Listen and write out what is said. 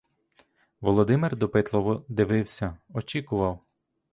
Володимир допитливо дивився, очікував.